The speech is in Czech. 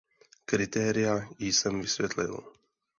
Kritéria jsem vysvětlil.